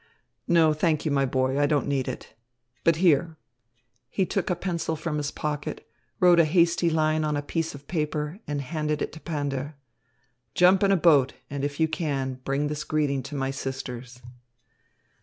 "No, thank you, my boy, I don't need it. But here " he took a pencil from his pocket, wrote a hasty line on a piece of paper, and handed it to Pander. "Jump in a boat and, if you can, bring this greeting to my sisters."